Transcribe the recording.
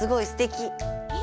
え？